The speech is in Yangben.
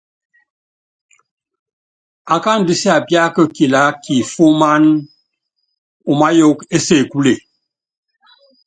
Akáandú siapiáka kilaá kifuman, umáyuukɔ ésekule.